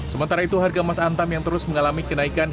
sementara itu harga emas antam yang terus mengalami kenaikan